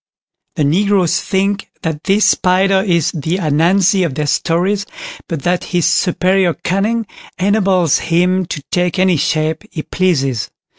The Negroes think that this spider is the "Ananzi" of their stories, but that his superior cunning enables him to take any shape he pleases.